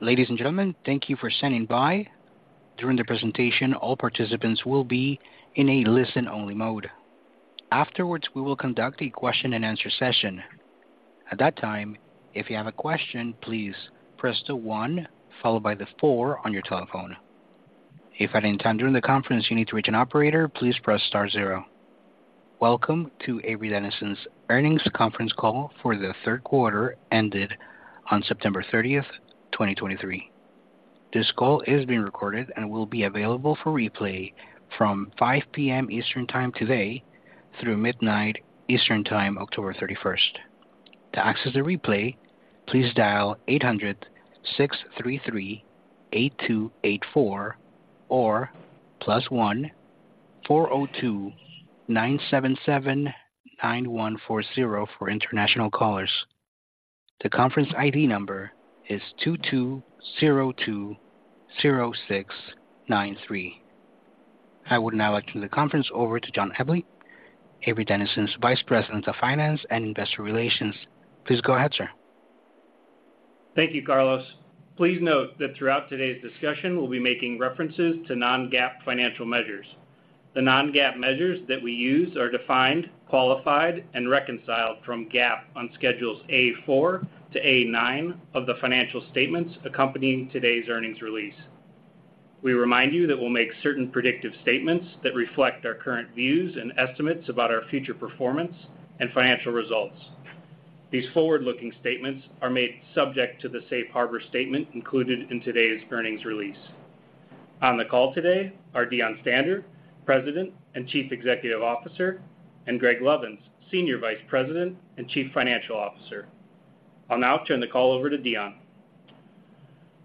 Ladies and gentlemen, thank you for standing by. During the presentation, all participants will be in a listen-only mode. Afterwards, we will conduct a question-and-answer session. At that time, if you have a question, please press the 1 followed by the 4 on your telephone. If at any time during the conference you need to reach an operator, please press star zero. Welcome to Avery Dennison's Earnings Conference Call for the third quarter, ended on September 30, 2023. This call is being recorded and will be available for replay from 5 P.M. Eastern Time today through midnight Eastern Time, October 31. To access the replay, please dial 800-633-8284 or +1-402-977-9140 for international callers. The conference ID number is 22020693. I would now like to turn the conference over to John Eble, Avery Dennison's Vice President of Finance and Investor Relations. Please go ahead, sir. Thank you, Carlos. Please note that throughout today's discussion, we'll be making references to non-GAAP financial measures. The non-GAAP measures that we use are defined, qualified, and reconciled from GAAP on Schedules A-4 to A-9 of the financial statements accompanying today's earnings release. We remind you that we'll make certain predictive statements that reflect our current views and estimates about our future performance and financial results. These forward-looking statements are made subject to the safe harbor statement included in today's earnings release. On the call today are Deon Stander, President and Chief Executive Officer, and Greg Lovins, Senior Vice President and Chief Financial Officer. I'll now turn the call over to Deon.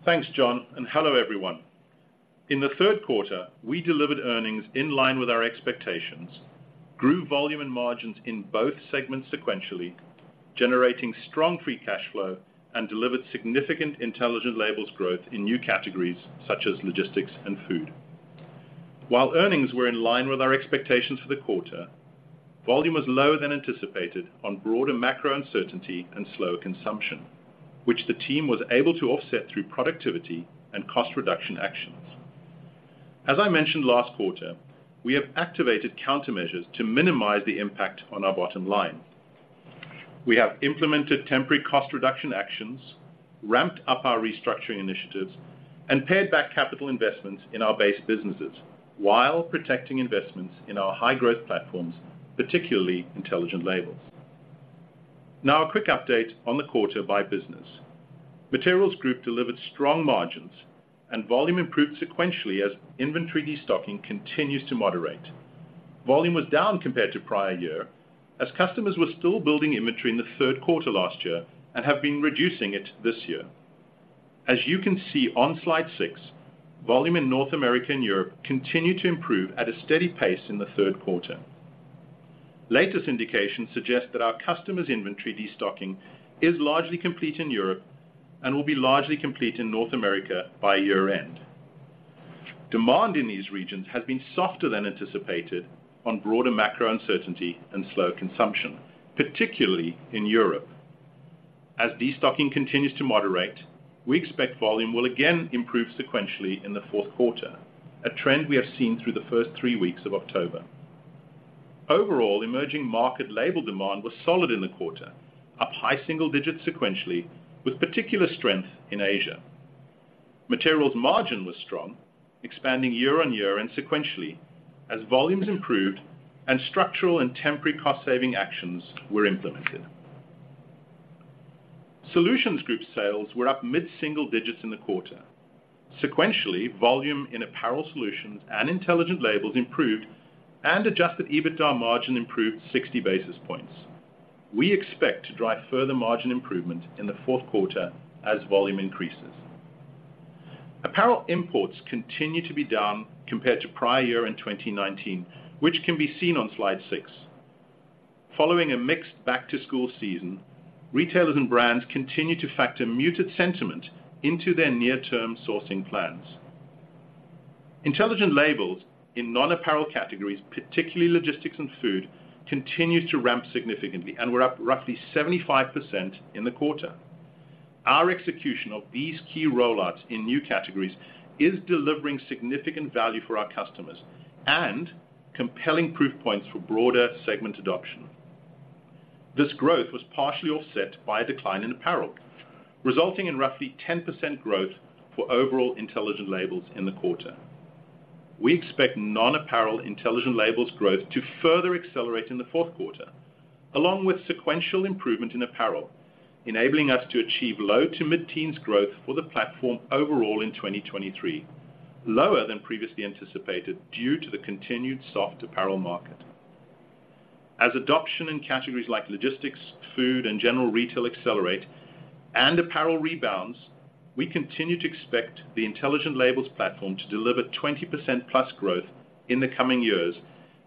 Thanks, John, and hello, everyone. In the third quarter, we delivered earnings in line with our expectations, grew volume and margins in both segments sequentially, generating strong free cash flow, and delivered significant Intelligent Labels growth in new categories such as logistics and food. While earnings were in line with our expectations for the quarter, volume was lower than anticipated on broader macro uncertainty and slower consumption, which the team was able to offset through productivity and cost reduction actions. As I mentioned last quarter, we have activated countermeasures to minimize the impact on our bottom line. We have implemented temporary cost reduction actions, ramped up our restructuring initiatives, and paid back capital investments in our base businesses while protecting investments in our high-growth platforms, particularly Intelligent Labels. Now, a quick update on the quarter by business. Materials Group delivered strong margins, and volume improved sequentially as inventory destocking continues to moderate. Volume was down compared to prior year, as customers were still building inventory in the third quarter last year and have been reducing it this year. As you can see on slide 6, volume in North America and Europe continued to improve at a steady pace in the third quarter. Latest indications suggest that our customers' inventory destocking is largely complete in Europe and will be largely complete in North America by year-end. Demand in these regions has been softer than anticipated on broader macro uncertainty and slower consumption, particularly in Europe. As destocking continues to moderate, we expect volume will again improve sequentially in the fourth quarter, a trend we have seen through the first 3 weeks of October. Overall, emerging market label demand was solid in the quarter, up high single digits sequentially, with particular strength in Asia. Materials margin was strong, expanding year-on-year and sequentially, as volumes improved and structural and temporary cost-saving actions were implemented. Solutions Group sales were up mid-single digits in the quarter. Sequentially, volume in Apparel Solutions and Intelligent Labels improved, and Adjusted EBITDA margin improved 60 basis points. We expect to drive further margin improvement in the fourth quarter as volume increases. Apparel imports continue to be down compared to prior year in 2019, which can be seen on slide 6. Following a mixed back-to-school season, retailers and brands continue to factor muted sentiment into their near-term sourcing plans. Intelligent Labels in non-apparel categories, particularly logistics and food, continued to ramp significantly and were up roughly 75% in the quarter. Our execution of these key rollouts in new categories is delivering significant value for our customers and compelling proof points for broader segment adoption. This growth was partially offset by a decline in apparel, resulting in roughly 10% growth for overall Intelligent Labels in the quarter. We expect non-apparel Intelligent Labels growth to further accelerate in the fourth quarter, along with sequential improvement in apparel, enabling us to achieve low- to mid-teens growth for the platform overall in 2023, lower than previously anticipated due to the continued soft apparel market. As adoption in categories like logistics, food, and general retail accelerate and apparel rebounds, we continue to expect the Intelligent Labels platform to deliver 20%+ growth in the coming years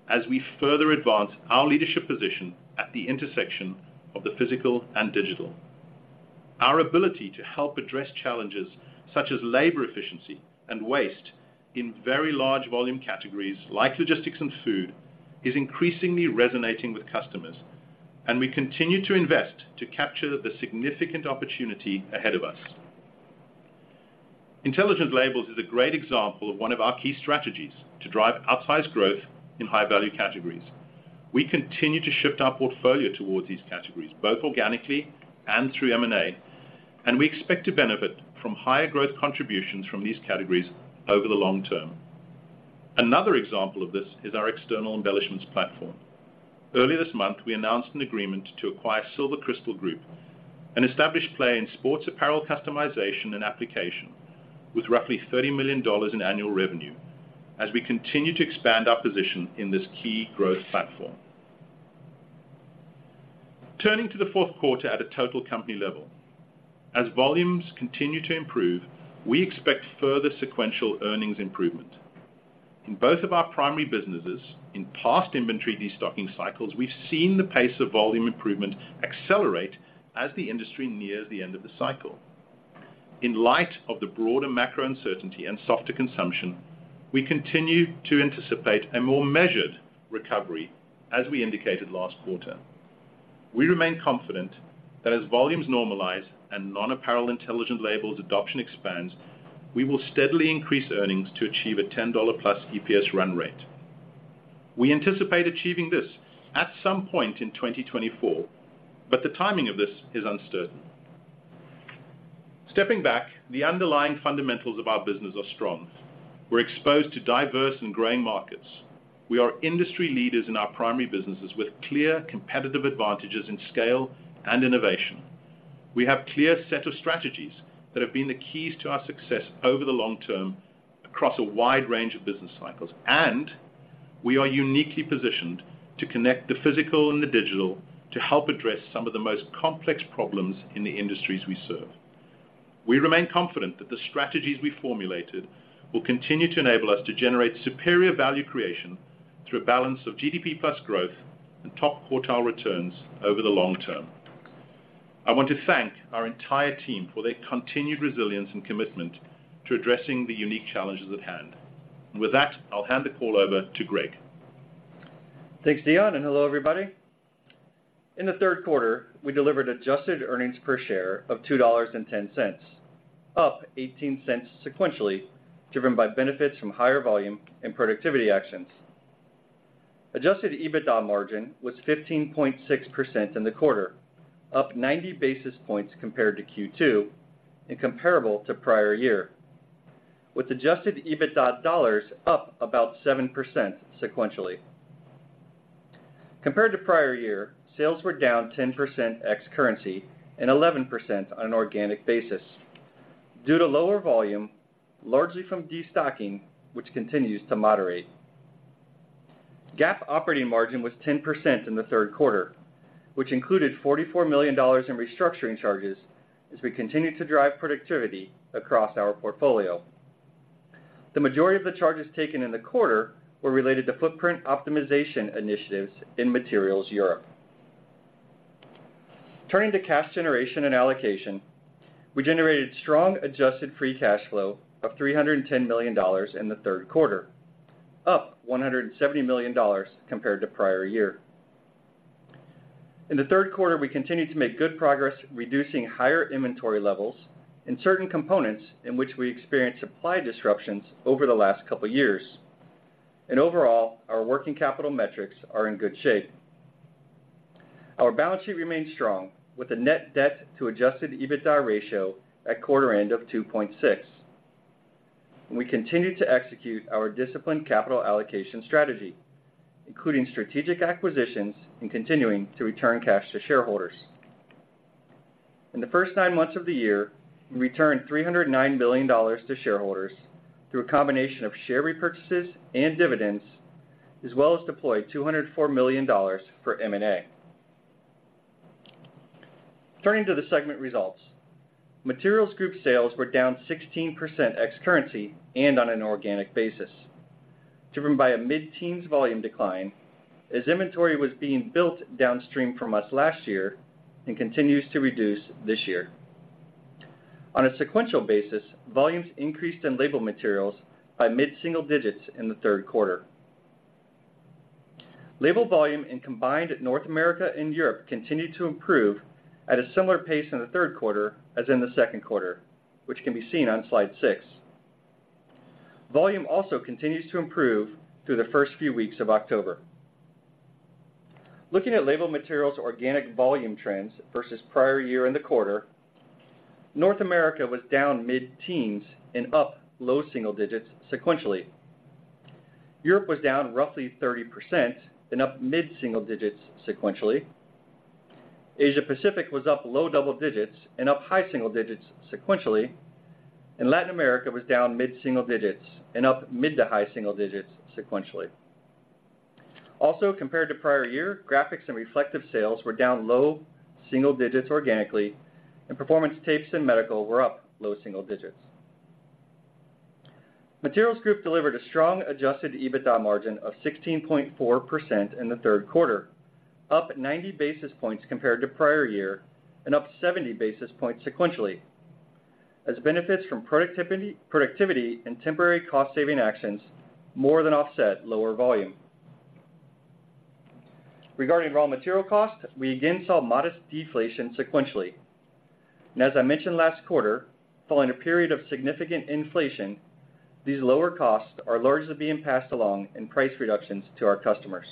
as we further advance our leadership position at the intersection of the physical and digital. Our ability to help address challenges such as labor efficiency and waste in very large volume categories like logistics and food is increasingly resonating with customers, and we continue to invest to capture the significant opportunity ahead of us. Intelligent Labels is a great example of one of our key strategies to drive outsized growth in high-value categories. We continue to shift our portfolio towards these categories, both organically and through M&A, and we expect to benefit from higher growth contributions from these categories over the long term. Another example of this is our external embellishments platform. Earlier this month, we announced an agreement to acquire Silver Crystal Group, an established player in sports apparel customization and application, with roughly $30 million in annual revenue, as we continue to expand our position in this key growth platform. Turning to the fourth quarter at a total company level. As volumes continue to improve, we expect further sequential earnings improvement. In both of our primary businesses, in past inventory destocking cycles, we've seen the pace of volume improvement accelerate as the industry nears the end of the cycle. In light of the broader macro uncertainty and softer consumption, we continue to anticipate a more measured recovery, as we indicated last quarter. We remain confident that as volumes normalize and non-apparel Intelligent Labels adoption expands, we will steadily increase earnings to achieve a $10+ EPS run rate. We anticipate achieving this at some point in 2024, but the timing of this is uncertain. Stepping back, the underlying fundamentals of our business are strong. We're exposed to diverse and growing markets. We are industry leaders in our primary businesses, with clear competitive advantages in scale and innovation. We have a clear set of strategies that have been the keys to our success over the long term, across a wide range of business cycles, and we are uniquely positioned to connect the physical and the digital to help address some of the most complex problems in the industries we serve. We remain confident that the strategies we formulated will continue to enable us to generate superior value creation through a balance of GDP plus growth and top quartile returns over the long term. I want to thank our entire team for their continued resilience and commitment to addressing the unique challenges at hand. With that, I'll hand the call over to Greg. Thanks, Deon, and hello, everybody. In the third quarter, we delivered adjusted earnings per share of $2.10, up $0.18 sequentially, driven by benefits from higher volume and productivity actions. Adjusted EBITDA margin was 15.6% in the quarter, up 90 basis points compared to Q2, and comparable to prior year, with adjusted EBITDA dollars up about 7% sequentially. Compared to prior year, sales were down 10% ex-currency and 11% on an organic basis due to lower volume, largely from destocking, which continues to moderate. GAAP operating margin was 10% in the third quarter, which included $44 million in restructuring charges as we continue to drive productivity across our portfolio. The majority of the charges taken in the quarter were related to footprint optimization initiatives in Materials Europe. Turning to cash generation and allocation. We generated strong adjusted free cash flow of $310 million in the third quarter, up $170 million compared to prior year. In the third quarter, we continued to make good progress, reducing higher inventory levels in certain components in which we experienced supply disruptions over the last couple of years. Overall, our working capital metrics are in good shape. Our balance sheet remains strong, with a net debt to Adjusted EBITDA ratio at quarter end of 2.6. We continue to execute our disciplined capital allocation strategy, including strategic acquisitions and continuing to return cash to shareholders. In the first nine months of the year, we returned $309 million to shareholders through a combination of share repurchases and dividends, as well as deployed $204 million for M&A. Turning to the segment results. Materials group sales were down 16% ex-currency and on an organic basis, driven by a mid-teens volume decline as inventory was being built downstream from us last year and continues to reduce this year. On a sequential basis, volumes increased in label materials by mid-single digits in the third quarter. Label volume in combined North America and Europe continued to improve at a similar pace in the third quarter as in the second quarter, which can be seen on slide 6. Volume also continues to improve through the first few weeks of October. Looking at label materials organic volume trends versus prior year in the quarter, North America was down mid-teens and up low single digits sequentially. Europe was down roughly 30% and up mid-single digits sequentially. Asia-Pacific was up low double digits and up high single digits sequentially, and Latin America was down mid-single digits and up mid to high single digits sequentially. Also, compared to prior year, Graphics and Reflectives sales were down low single digits organically, and Performance Tapes and Medical were up low single digits. Materials Group delivered a strong Adjusted EBITDA margin of 16.4% in the third quarter, up 90 basis points compared to prior year, and up 70 basis points sequentially, as benefits from productivity and temporary cost saving actions more than offset lower volume. Regarding raw material costs, we again saw modest deflation sequentially. As I mentioned last quarter, following a period of significant inflation, these lower costs are largely being passed along in price reductions to our customers.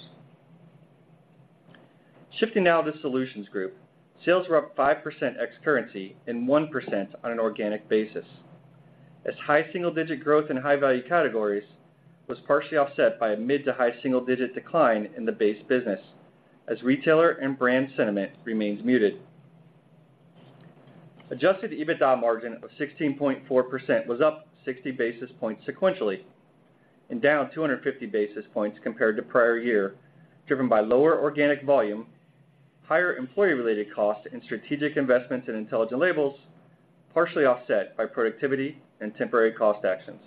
Shifting now to Solutions Group. Sales were up 5% ex currency and 1% on an organic basis, as high single digit growth in high value categories was partially offset by a mid to high single digit decline in the base business, as retailer and brand sentiment remains muted. Adjusted EBITDA margin of 16.4% was up 60 basis points sequentially, and down 250 basis points compared to prior year, driven by lower organic volume, higher employee-related costs, and strategic investments in Intelligent Labels, partially offset by productivity and temporary cost actions.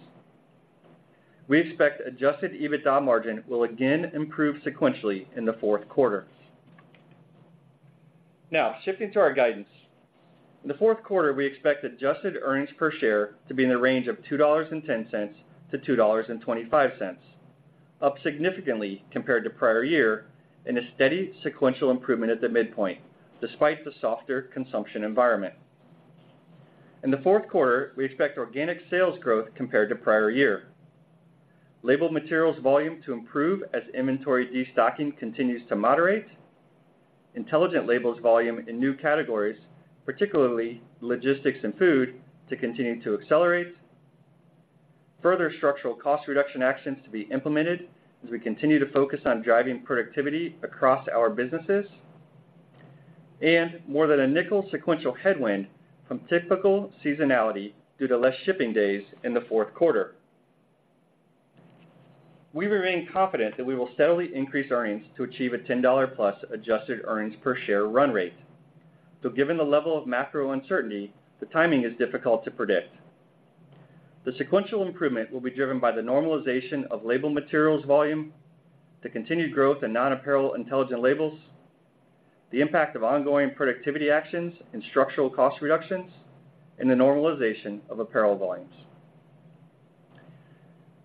We expect adjusted EBITDA margin will again improve sequentially in the fourth quarter. Now, shifting to our guidance. In the fourth quarter, we expect adjusted earnings per share to be in the range of $2.10-$2.25, up significantly compared to prior year, and a steady sequential improvement at the midpoint, despite the softer consumption environment. In the fourth quarter, we expect organic sales growth compared to prior year. Label Materials volume to improve as inventory destocking continues to moderate. Intelligent Labels volume in new categories, particularly logistics and food, to continue to accelerate. Further structural cost reduction actions to be implemented as we continue to focus on driving productivity across our businesses. More than $0.05 sequential headwind from typical seasonality due to less shipping days in the fourth quarter. We remain confident that we will steadily increase earnings to achieve a $10+ adjusted earnings per share run rate, though given the level of macro uncertainty, the timing is difficult to predict. The sequential improvement will be driven by the normalization of Label Materials volume, the continued growth in non-apparel Intelligent Labels, the impact of ongoing productivity actions and structural cost reductions, and the normalization of apparel volumes.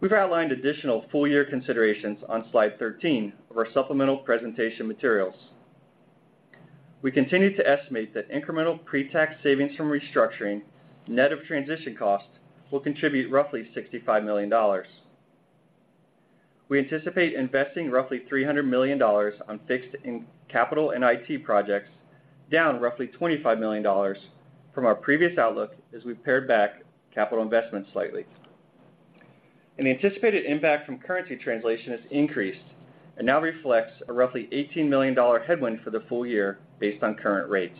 We've outlined additional full-year considerations on slide 13 of our supplemental presentation materials. We continue to estimate that incremental pre-tax savings from restructuring, net of transition costs, will contribute roughly $65 million. We anticipate investing roughly $300 million on fixed and capital and IT projects, down roughly $25 million from our previous outlook, as we've pared back capital investments slightly. The anticipated impact from currency translation has increased and now reflects a roughly $18 million headwind for the full year based on current rates.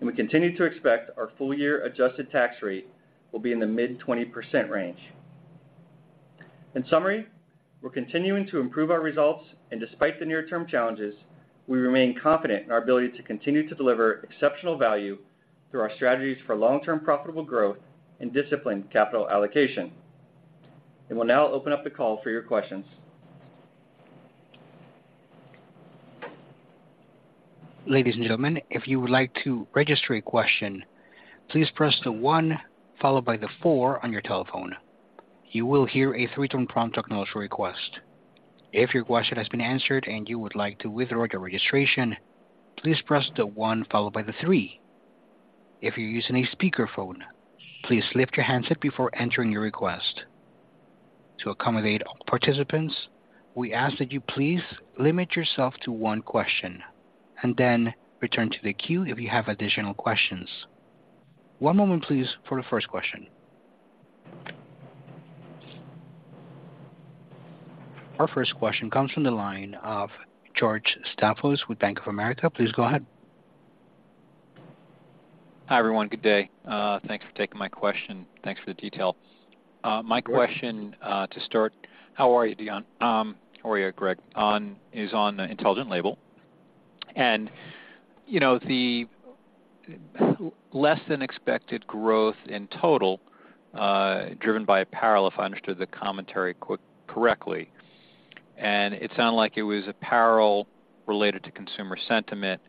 We continue to expect our full year adjusted tax rate will be in the mid-20% range. In summary, we're continuing to improve our results, and despite the near-term challenges, we remain confident in our ability to continue to deliver exceptional value through our strategies for long-term profitable growth and disciplined capital allocation. We'll now open up the call for your questions. Ladies and gentlemen, if you would like to register a question, please press the one followed by the four on your telephone. You will hear a three-tone prompt to acknowledge your request. If your question has been answered and you would like to withdraw your registration, please press the one followed by the three. If you're using a speakerphone, please lift your handset before entering your request. To accommodate all participants, we ask that you please limit yourself to one question, and then return to the queue if you have additional questions. One moment, please, for the first question. Our first question comes from the line of George Staphos with Bank of America. Please go ahead. Hi, everyone. Good day. Thanks for taking my question. Thanks for the detail. My question, to start, how are you, Deon? How are you, Greg? On the Intelligent Labels. And, you know, the less than expected growth in total, driven by apparel, if I understood the commentary quickly, correctly, and it sounded like it was apparel related to consumer sentiment,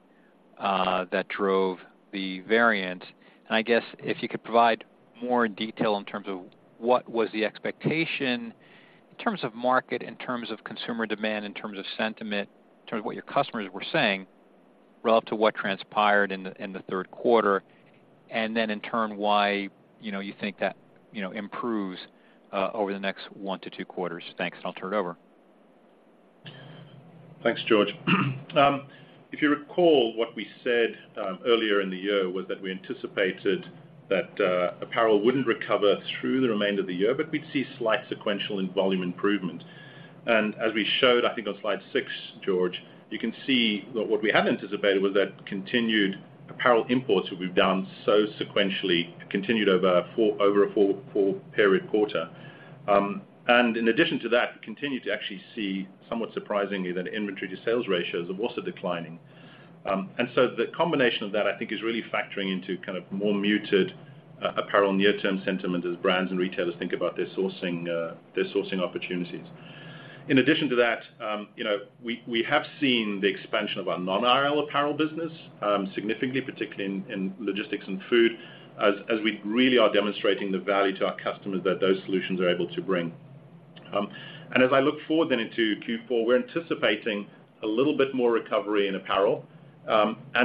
that drove the variance. And I guess if you could provide more detail in terms of what was the expectation in terms of market, in terms of consumer demand, in terms of sentiment, in terms of what your customers were saying, relative to what transpired in the third quarter, and then in turn, why, you know, you think that, you know, improves, over the next one to two quarters. Thanks, and I'll turn it over. Thanks, George. If you recall, what we said earlier in the year was that we anticipated that apparel wouldn't recover through the remainder of the year, but we'd see slight sequential and volume improvement. As we showed, I think on slide six, George, you can see that what we hadn't anticipated was that continued apparel imports, which we've done so sequentially, continued over a four-quarter period. And in addition to that, we continued to actually see, somewhat surprisingly, that inventory to sales ratios are also declining. So the combination of that, I think, is really factoring into kind of more muted apparel near-term sentiment as brands and retailers think about their sourcing, their sourcing opportunities. ... In addition to that, you know, we, we have seen the expansion of our non-IL apparel business, significantly, particularly in, in logistics and food, as, as we really are demonstrating the value to our customers that those solutions are able to bring. As I look forward then into Q4, we're anticipating a little bit more recovery in apparel.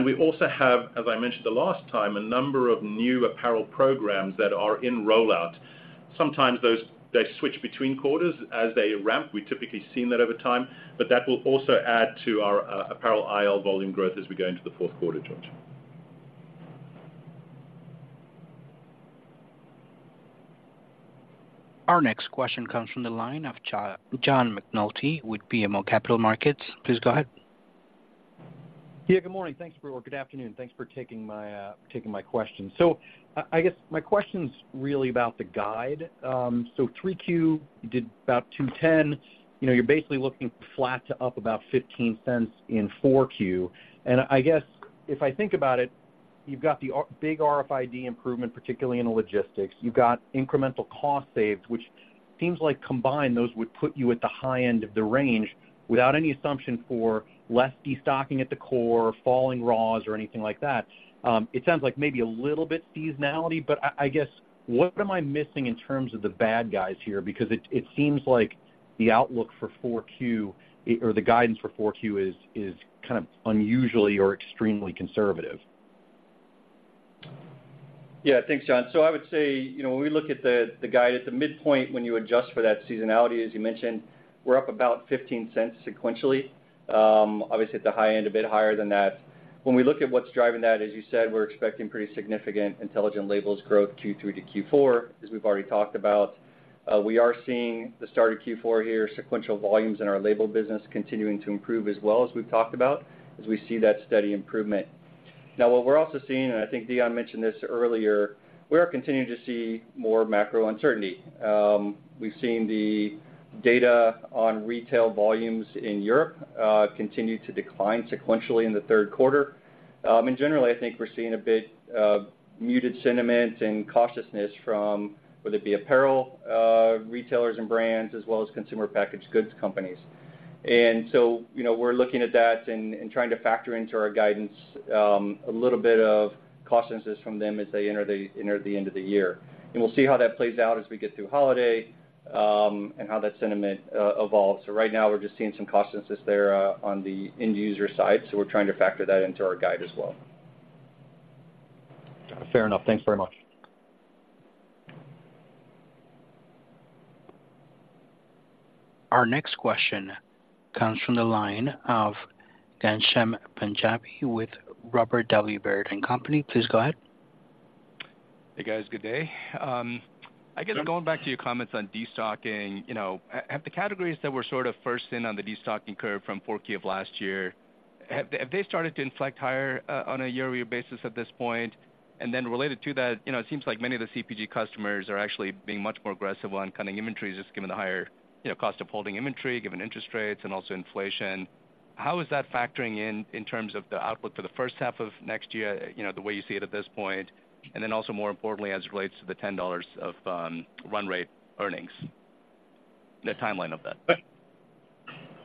We also have, as I mentioned the last time, a number of new apparel programs that are in rollout. Sometimes those, they switch between quarters as they ramp. We've typically seen that over time, but that will also add to our, apparel IL volume growth as we go into the fourth quarter, George. Our next question comes from the line of John McNulty with BMO Capital Markets. Please go ahead. Yeah, good morning. Thank you for, or good afternoon. Thanks for taking my, taking my question. So I guess my question's really about the guide. So 3Q, you did about $2.10. You know, you're basically looking flat to up about $0.15 in 4Q. And I guess if I think about it, you've got our big RFID improvement, particularly in the logistics. You've got incremental cost saved, which seems like combined, those would put you at the high end of the range without any assumption for less destocking at the core, falling raws, or anything like that. It sounds like maybe a little bit seasonality, but I guess, what am I missing in terms of the bad guys here? Because it seems like the outlook for 4Q, or the guidance for 4Q is kind of unusually or extremely conservative. Yeah, thanks, John. So I would say, you know, when we look at the guide at the midpoint, when you adjust for that seasonality, as you mentioned, we're up about $0.15 sequentially. Obviously at the high end, a bit higher than that. When we look at what's driving that, as you said, we're expecting pretty significant Intelligent Labels growth Q3 to Q4, as we've already talked about. We are seeing the start of Q4 here, sequential volumes in our label business continuing to improve as well as we've talked about, as we see that steady improvement. Now, what we're also seeing, and I think Deon mentioned this earlier, we are continuing to see more macro uncertainty. We've seen the data on retail volumes in Europe continue to decline sequentially in the third quarter. And generally, I think we're seeing a bit of muted sentiment and cautiousness from, whether it be apparel, retailers and brands, as well as consumer packaged goods companies. And so, you know, we're looking at that and trying to factor into our guidance, a little bit of cautiousness from them as they enter the end of the year. And we'll see how that plays out as we get through holiday, and how that sentiment evolves. So right now, we're just seeing some cautiousness there, on the end user side, so we're trying to factor that into our guide as well. Fair enough. Thanks very much. Our next question comes from the line of Ghansham Panjabi with Robert W. Baird and Company. Please go ahead. Hey, guys, good day. I guess going back to your comments on destocking, you know, at the categories that were sort of first in on the destocking curve from 4Q of last year, have they started to inflect higher on a year-over-year basis at this point? And then related to that, you know, it seems like many of the CPG customers are actually being much more aggressive on cutting inventories, just given the higher, you know, cost of holding inventory, given interest rates and also inflation. How is that factoring in in terms of the outlook for the first half of next year, you know, the way you see it at this point, and then also, more importantly, as it relates to the $10 of run rate earnings, the timeline of that?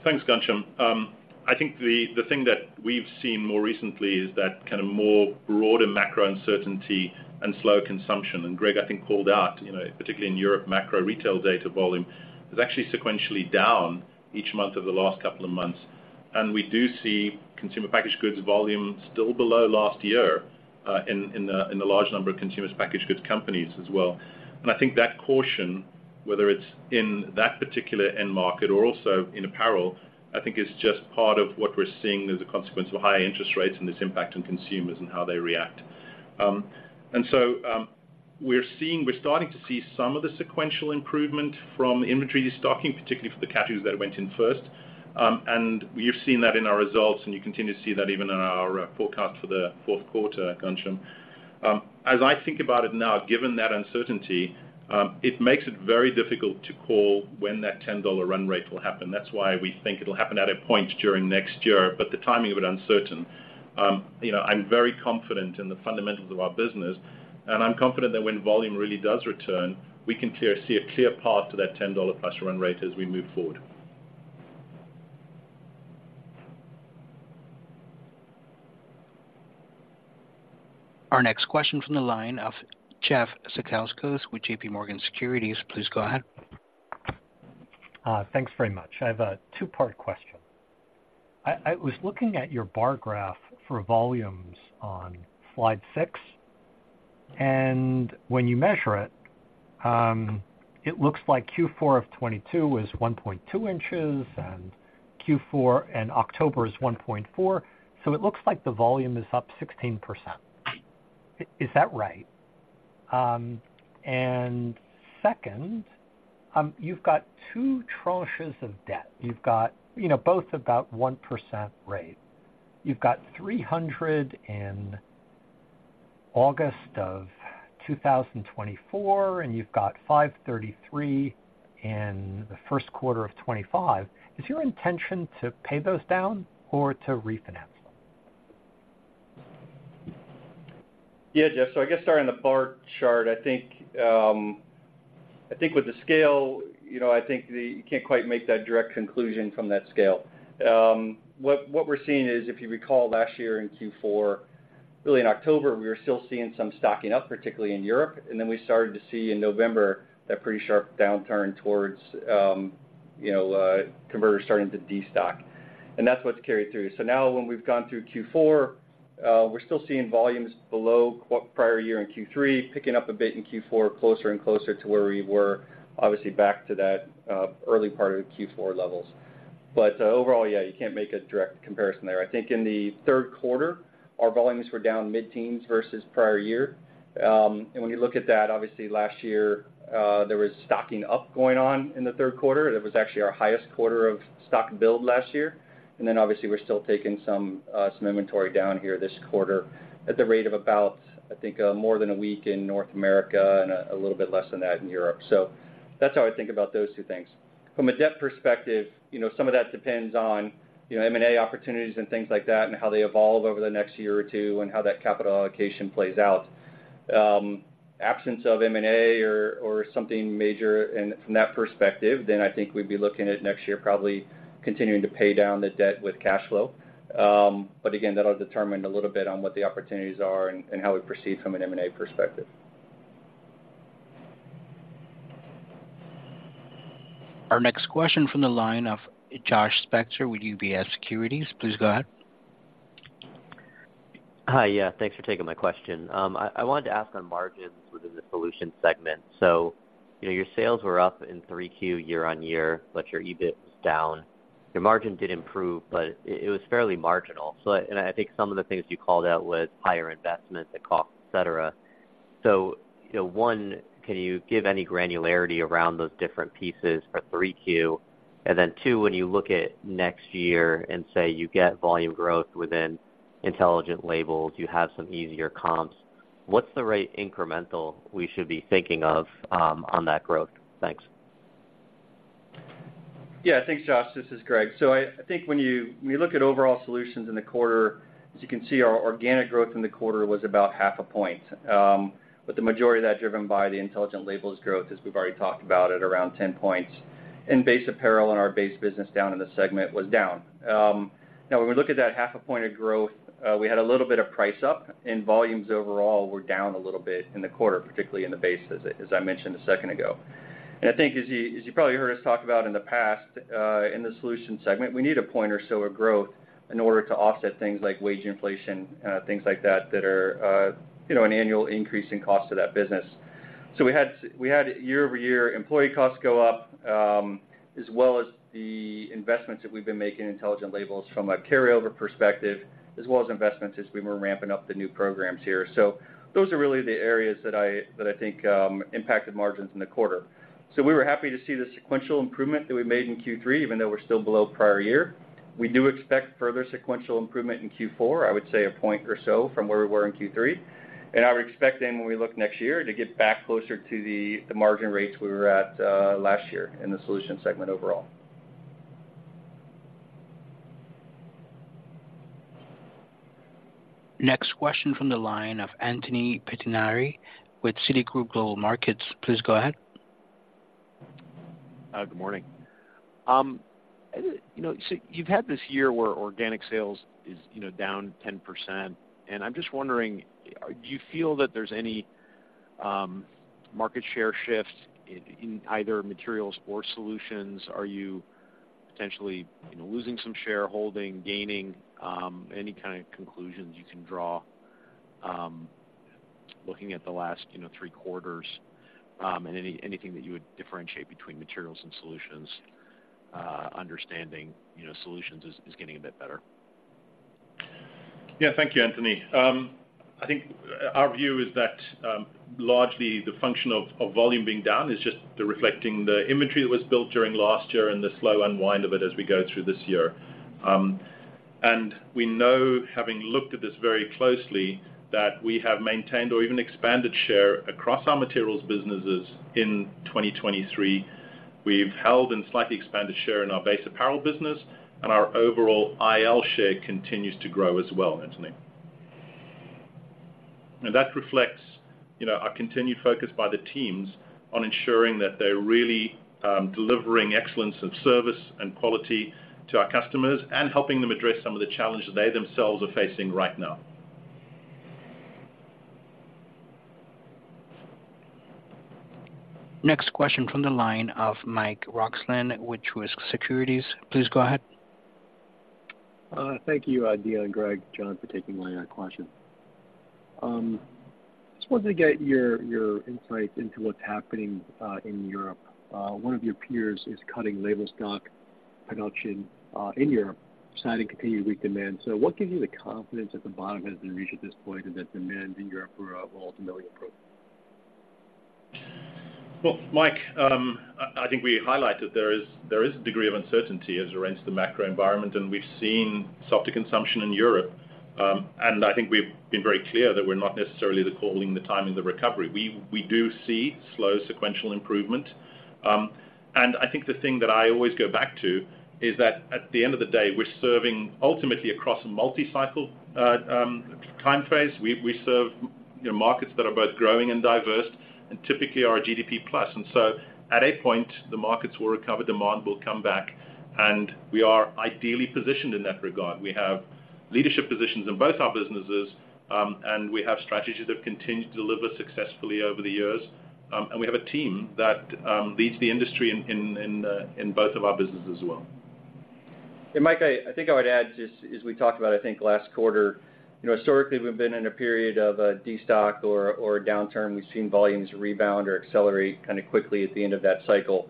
Thanks, Gansham. I think the thing that we've seen more recently is that kind of more broader macro uncertainty and slower consumption. And Greg, I think, called out, you know, particularly in Europe, macro retail data volume is actually sequentially down each month of the last couple of months. And we do see consumer packaged goods volume still below last year, in the large number of consumer packaged goods companies as well. And I think that caution, whether it's in that particular end market or also in apparel, I think is just part of what we're seeing as a consequence of high interest rates and its impact on consumers and how they react. And so, we're starting to see some of the sequential improvement from inventory stocking, particularly for the categories that went in first. And you've seen that in our results, and you continue to see that even in our forecast for the fourth quarter, Gansham. As I think about it now, given that uncertainty, it makes it very difficult to call when that $10 run rate will happen. That's why we think it'll happen at a point during next year, but the timing of it uncertain. You know, I'm very confident in the fundamentals of our business, and I'm confident that when volume really does return, we can see a clear path to that $10+ run rate as we move forward. Our next question from the line of Jeff Zekauskas with JP Morgan Securities. Please go ahead. Thanks very much. I have a two-part question. I was looking at your bar graph for volumes on slide 6, and when you measure it, it looks like Q4 of 2022 is 1.2 inches, and Q4 and October is 1.4. So it looks like the volume is up 16%. Is that right? And second, you've got two tranches of debt. You've got, you know, both about 1% rate. You've got $300 in August of 2024, and you've got $533 in the first quarter of 2025. Is your intention to pay those down or to refinance them?... Yeah, Jeff, so I guess starting on the bar chart, I think, I think with the scale, you know, I think the-- you can't quite make that direct conclusion from that scale. What we're seeing is, if you recall last year in Q4, really in October, we were still seeing some stocking up, particularly in Europe, and then we started to see in November that pretty sharp downturn towards, you know, converters starting to destock, and that's what's carried through. So now when we've gone through Q4, we're still seeing volumes below prior year in Q3, picking up a bit in Q4, closer and closer to where we were, obviously, back to that, early part of the Q4 levels. But overall, yeah, you can't make a direct comparison there. I think in the third quarter, our volumes were down mid-teens versus prior year. And when you look at that, obviously last year, there was stocking up going on in the third quarter. That was actually our highest quarter of stock build last year. And then obviously, we're still taking some inventory down here this quarter at the rate of about, I think, more than a week in North America and a little bit less than that in Europe. So that's how I think about those two things. From a debt perspective, you know, some of that depends on, you know, M&A opportunities and things like that, and how they evolve over the next year or two, and how that capital allocation plays out. Absence of M&A or, or something major in, from that perspective, then I think we'd be looking at next year, probably continuing to pay down the debt with cash flow. But again, that'll determine a little bit on what the opportunities are and, and how we proceed from an M&A perspective. Our next question from the line of Josh Spector with UBS Securities. Please go ahead. Hi, yeah, thanks for taking my question. I wanted to ask on margins within the solutions segment. So, you know, your sales were up in 3Q year-on-year, but your EBIT was down. Your margin did improve, but it was fairly marginal. So and I think some of the things you called out was higher investment, the cost, et cetera. So, you know, one, can you give any granularity around those different pieces for 3Q? And then, two, when you look at next year and say you get volume growth within Intelligent Labels, you have some easier comps, what's the right incremental we should be thinking of on that growth? Thanks. Yeah, thanks, Josh. This is Greg. So I think when you look at overall solutions in the quarter, as you can see, our organic growth in the quarter was about 0.5 point. But the majority of that driven by the Intelligent Labels growth, as we've already talked about, at around 10 points, and base apparel and our base business down in the segment was down. Now, when we look at that 0.5 point of growth, we had a little bit of price up, and volumes overall were down a little bit in the quarter, particularly in the base, as I mentioned a second ago. And I think as you, as you probably heard us talk about in the past, in the solutions segment, we need a point or so of growth in order to offset things like wage inflation, things like that, that are, you know, an annual increase in cost to that business. So we had year-over-year employee costs go up, as well as the investments that we've been making in Intelligent Labels from a carryover perspective, as well as investments as we were ramping up the new programs here. So those are really the areas that I think impacted margins in the quarter. So we were happy to see the sequential improvement that we made in Q3, even though we're still below prior year. We do expect further sequential improvement in Q4, I would say a point or so from where we were in Q3. I would expect then, when we look next year, to get back closer to the margin rates we were at last year in the solutions segment overall. Next question from the line of Anthony Pettinari with Citigroup Global Markets. Please go ahead. Good morning. You know, so you've had this year where organic sales is, you know, down 10%, and I'm just wondering: Do you feel that there's any market share shifts in either materials or solutions? Are you potentially, you know, losing some share, holding, gaining any kind of conclusions you can draw, looking at the last, you know, three quarters, and anything that you would differentiate between materials and solutions, understanding, you know, solutions is getting a bit better? Yeah. Thank you, Anthony. I think our view is that, largely the function of volume being down is just the reflecting the inventory that was built during last year and the slow unwind of it as we go through this year. And we know, having looked at this very closely, that we have maintained or even expanded share across our materials businesses in 2023. We've held and slightly expanded share in our base apparel business, and our overall IL share continues to grow as well, Anthony. And that reflects, you know, our continued focus by the teams on ensuring that they're really delivering excellence of service and quality to our customers and helping them address some of the challenges they themselves are facing right now. Next question from the line of Mike Roxland with Truist Securities. Please go ahead. Thank you, Deon, Greg, John, for taking my question. Just wanted to get your insight into what's happening in Europe. One of your peers is cutting label stock production in Europe, citing continued weak demand. So what gives you the confidence that the bottom has been reached at this point, and that demand in Europe will ultimately improve? Well, Mike, I think we highlighted there is a degree of uncertainty as it relates to the macro environment, and we've seen softer consumption in Europe. And I think we've been very clear that we're not necessarily calling the timing of the recovery. We do see slow sequential improvement. And I think the thing that I always go back to is that at the end of the day, we're serving ultimately across a multi-cycle time phase. We serve markets that are both growing and diverse and typically are GDP plus. And so at a point, the markets will recover, demand will come back, and we are ideally positioned in that regard. We have leadership positions in both our businesses, and we have strategies that continue to deliver successfully over the years. And we have a team that leads the industry in both of our businesses as well. Mike, I think I would add, just as we talked about, I think last quarter, you know, historically, we've been in a period of a destock or a downturn. We've seen volumes rebound or accelerate kind of quickly at the end of that cycle.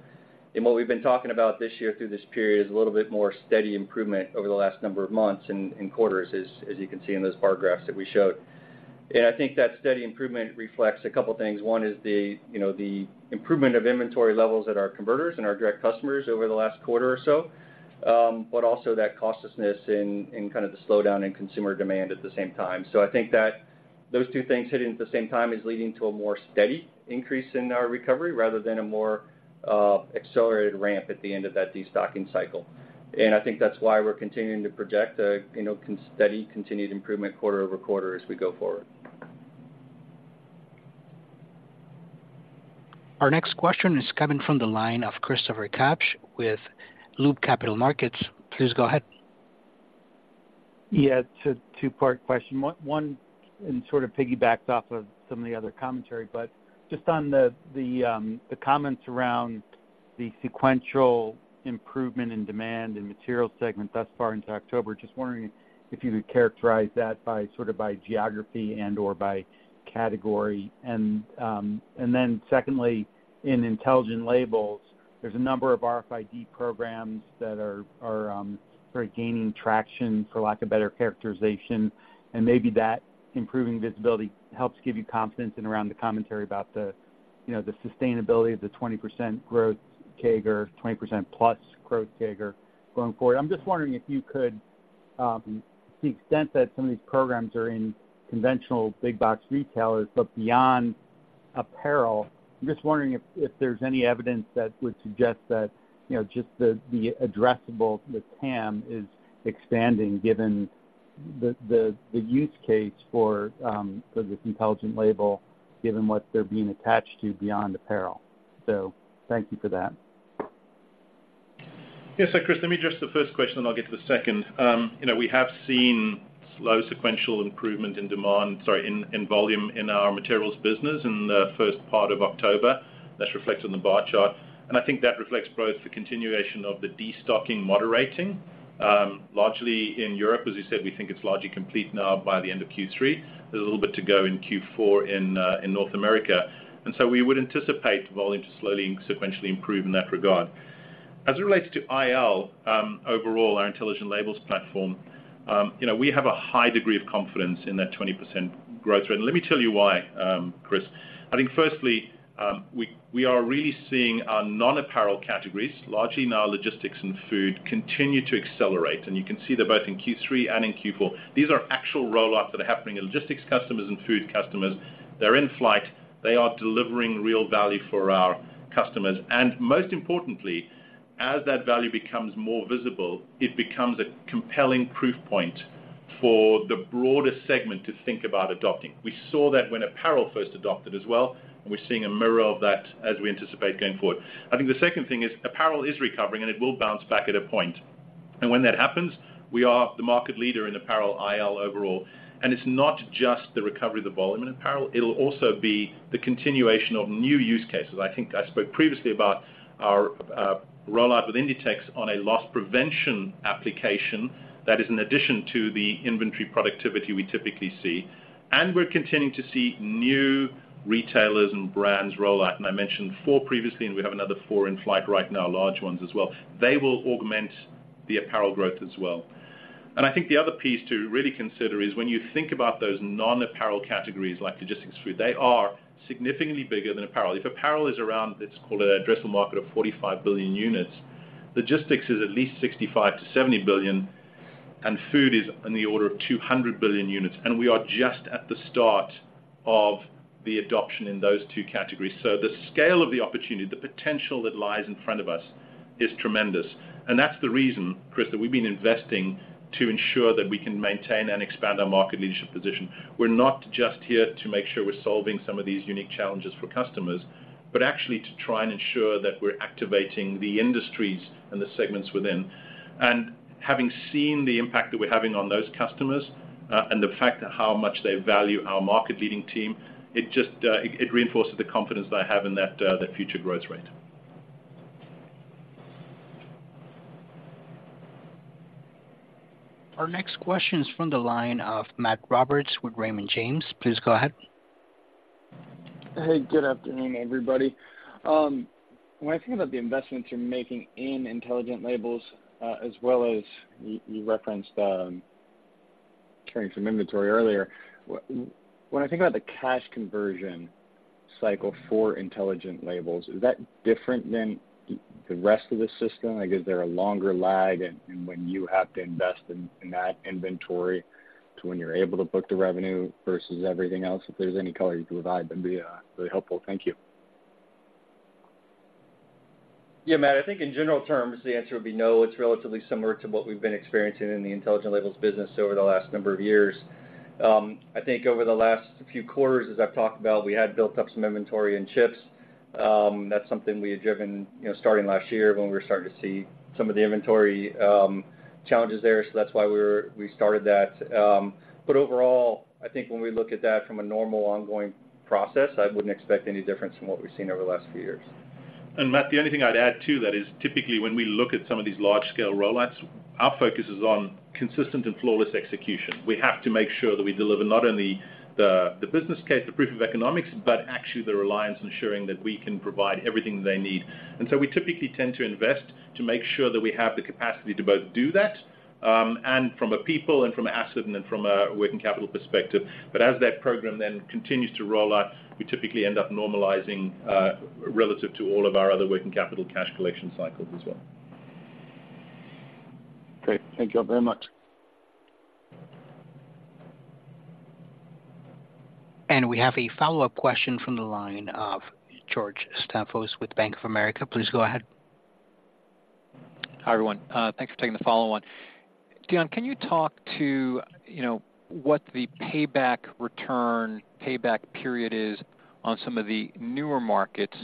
And what we've been talking about this year through this period is a little bit more steady improvement over the last number of months and quarters, as you can see in those bar graphs that we showed. And I think that steady improvement reflects a couple of things. One is the, you know, the improvement of inventory levels at our converters and our direct customers over the last quarter or so, but also that cautiousness in kind of the slowdown in consumer demand at the same time. So I think that those two things hitting at the same time is leading to a more steady increase in our recovery rather than a more, accelerated ramp at the end of that destocking cycle. And I think that's why we're continuing to project a, you know, steady, continued improvement quarter over quarter as we go forward. Our next question is coming from the line of Christopher Kapsch with Loop Capital Markets. Please go ahead. Yeah, it's a two-part question. One, and sort of piggybacks off of some of the other commentary, but just on the comments around the sequential improvement in demand in materials segment thus far into October, just wondering if you could characterize that by sort of by geography and or by category. And then secondly, in Intelligent Labels, there's a number of RFID programs that are very gaining traction, for lack of better characterization, and maybe that improving visibility helps give you confidence in around the commentary about the, you know, the sustainability of the 20% growth CAGR, 20%+ growth CAGR going forward? I'm just wondering if you could, to the extent that some of these programs are in conventional big box retailers, but beyond apparel, I'm just wondering if there's any evidence that would suggest that, you know, just the addressable, the TAM, is expanding given the use case for this Intelligent Label, given what they're being attached to beyond apparel. So thank you for that. Yes. So, Chris, let me address the first question, then I'll get to the second. You know, we have seen slow sequential improvement in demand, sorry, in volume in our materials business in the first part of October. That's reflected in the bar chart. And I think that reflects both the continuation of the destocking moderating, largely in Europe. As you said, we think it's largely complete now by the end of Q3. There's a little bit to go in Q4 in North America. And so we would anticipate volume to slowly sequentially improve in that regard. As it relates to IL, overall, our Intelligent Labels platform, you know, we have a high degree of confidence in that 20% growth rate. And let me tell you why, Chris. I think firstly, we are really seeing our non-apparel categories, largely now logistics and food, continue to accelerate, and you can see they're both in Q3 and in Q4. These are actual rollouts that are happening in logistics customers and food customers. They're in flight. They are delivering real value for our customers. And most importantly, as that value becomes more visible, it becomes a compelling proof point for the broader segment to think about adopting. We saw that when apparel first adopted as well, and we're seeing a mirror of that as we anticipate going forward. I think the second thing is, apparel is recovering, and it will bounce back at a point. And when that happens, we are the market leader in apparel IL overall, and it's not just the recovery of the volume in apparel, it'll also be the continuation of new use cases. I think I spoke previously about our rollout with Inditex on a loss prevention application that is in addition to the inventory productivity we typically see, and we're continuing to see new retailers and brands roll out. I mentioned four previously, and we have another four in flight right now, large ones as well. They will augment the apparel growth as well. I think the other piece to really consider is when you think about those non-apparel categories like logistics, food; they are significantly bigger than apparel. If apparel is around, let's call it, an addressable market of 45 billion units, logistics is at least 65-70 billion, and food is in the order of 200 billion units, and we are just at the start of the adoption in those two categories. The scale of the opportunity, the potential that lies in front of us, is tremendous. That's the reason, Chris, that we've been investing to ensure that we can maintain and expand our market leadership position. We're not just here to make sure we're solving some of these unique challenges for customers, but actually to try and ensure that we're activating the industries and the segments within. Having seen the impact that we're having on those customers, and the fact of how much they value our market-leading team, it just reinforces the confidence that I have in that future growth rate. Our next question is from the line of Matt Roberts with Raymond James. Please go ahead. Hey, good afternoon, everybody. When I think about the investments you're making in Intelligent Labels, as well as you, you referenced carrying some inventory earlier, when I think about the cash conversion cycle for Intelligent Labels, is that different than the rest of the system? Like, is there a longer lag in, in when you have to invest in, in that inventory to when you're able to book the revenue versus everything else? If there's any color you can provide, that'd be really helpful. Thank you. Yeah, Matt, I think in general terms, the answer would be no. It's relatively similar to what we've been experiencing in the Intelligent Labels business over the last number of years. I think over the last few quarters, as I've talked about, we had built up some inventory in chips. That's something we had driven, you know, starting last year when we were starting to see some of the inventory challenges there. So that's why we started that. But overall, I think when we look at that from a normal ongoing process, I wouldn't expect any difference from what we've seen over the last few years. Matt, the only thing I'd add to that is, typically, when we look at some of these large-scale rollouts, our focus is on consistent and flawless execution. We have to make sure that we deliver not only the, the business case, the proof of economics, but actually the reliance on ensuring that we can provide everything they need. So we typically tend to invest to make sure that we have the capacity to both do that, and from a people and from asset and from a working capital perspective. But as that program then continues to roll out, we typically end up normalizing, relative to all of our other working capital cash collection cycles as well. Great. Thank you all very much. We have a follow-up question from the line of George Staphos with Bank of America. Please go ahead. Hi, everyone. Thanks for taking the follow-on. Deon, can you talk to, you know, what the payback return, payback period is on some of the newer markets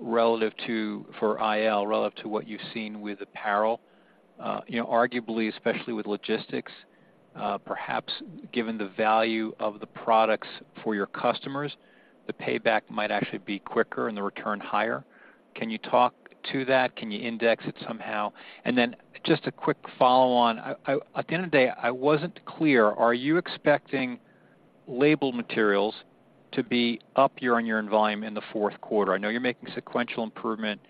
relative to, for IL, relative to what you've seen with apparel? You know, arguably, especially with logistics, perhaps given the value of the products for your customers, the payback might actually be quicker and the return higher. Can you talk to that? Can you index it somehow? And then just a quick follow-on. I, I, at the end of the day, I wasn't clear, are you expecting label materials to be up year-on-year in volume in the fourth quarter? I know you're making sequential improvement.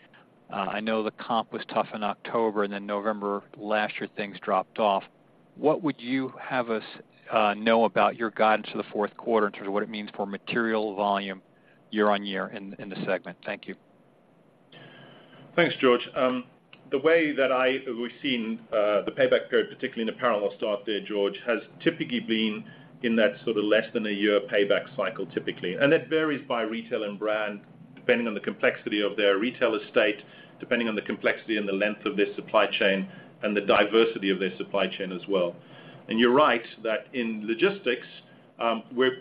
I know the comp was tough in October, and then November last year, things dropped off. What would you have us know about your guidance for the fourth quarter in terms of what it means for material volume year-on-year in the segment? Thank you. Thanks, George. The way that we've seen, the payback period, particularly in apparel, I'll start there, George, has typically been in that sort of less than a year payback cycle, typically. And that varies by retail and brand, depending on the complexity of their retail estate, depending on the complexity and the length of their supply chain and the diversity of their supply chain as well. And you're right, that in logistics,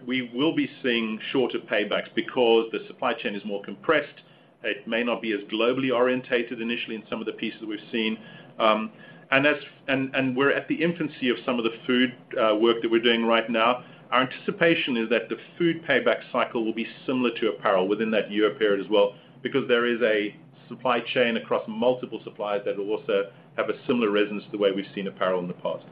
we will be seeing shorter paybacks because the supply chain is more compressed. It may not be as globally oriented initially in some of the pieces we've seen. And we're at the infancy of some of the food work that we're doing right now. Our anticipation is that the food payback cycle will be similar to apparel within that year period as well, because there is a supply chain across multiple suppliers that will also have a similar resonance to the way we've seen apparel in the past.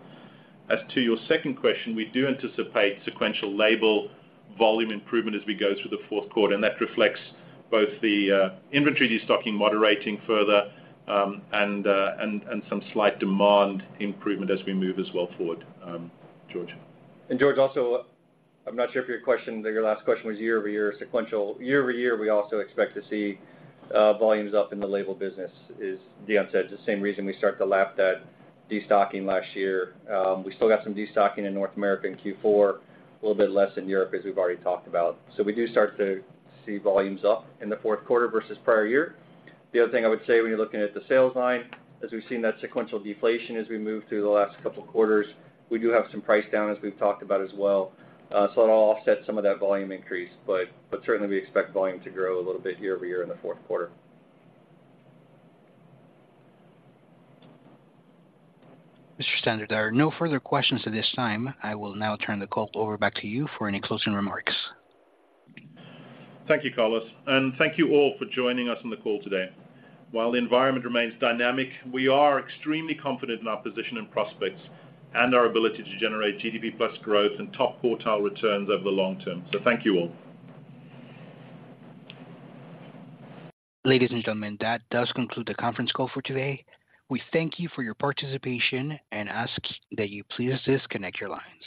As to your second question, we do anticipate sequential label volume improvement as we go through the fourth quarter, and that reflects both the inventory destocking moderating further, and some slight demand improvement as we move as well forward, George. George, also, I'm not sure if your question, that your last question was year-over-year, sequential. Year-over-year, we also expect to see volumes up in the label business, as Deon said, the same reason we start to lap that destocking last year. We still got some destocking in North America in Q4, a little bit less in Europe, as we've already talked about. So we do start to see volumes up in the fourth quarter versus prior year. The other thing I would say when you're looking at the sales line, as we've seen that sequential deflation as we move through the last couple of quarters, we do have some price down, as we've talked about as well. So it'll offset some of that volume increase, but certainly we expect volume to grow a little bit year-over-year in the fourth quarter. Mr. Stander, there are no further questions at this time. I will now turn the call over back to you for any closing remarks. Thank you, Carlos, and thank you all for joining us on the call today. While the environment remains dynamic, we are extremely confident in our position and prospects and our ability to generate GDP Plus Growth and top quartile returns over the long term. Thank you all. Ladies and gentlemen, that does conclude the conference call for today. We thank you for your participation and ask that you please disconnect your lines.